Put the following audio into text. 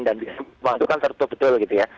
dan itu kan tertutup betul gitu ya